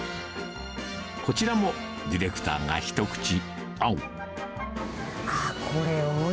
こちらもディレクターが一口、あむ。